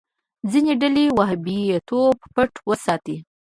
ځینې ډلې وهابيتوب پټ وساتي.